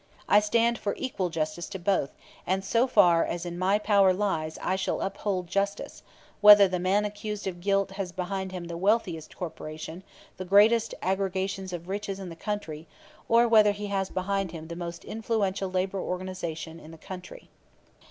I stand for equal justice to both; and so far as in my power lies I shall uphold justice, whether the man accused of guilt has behind him the wealthiest corporation, the greatest aggregations of riches in the country, or whether he has behind him the most influential labor organization in the country.